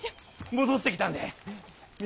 戻ってきたんだい。